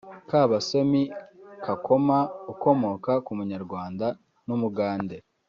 Kabasomi Kakoma (ukomoka ku munyarwanda n’Umugande)